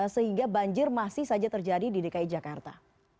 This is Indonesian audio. sehingga banjir masih saja terjadi di dki jakarta